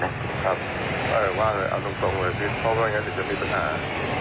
ครับเอาตรงเลยพี่เพราะว่าอย่างนั้นมันจะมีปัญหา